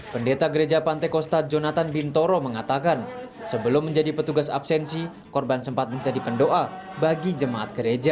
pendeta gereja pantekosta jonathan bintoro mengatakan sebelum menjadi petugas absensi korban sempat menjadi pendoa bagi jemaat gereja